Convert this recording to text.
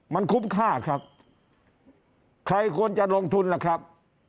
มันคุ้มค่าครับใครควรจะลงทุนล่ะครับ